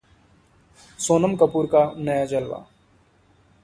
सोनम कपूर का नया जलवा